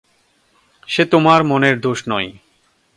সে তোমার মনের দোষ নয়।